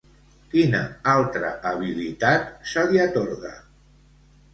Quina altra habilitat se li atorga?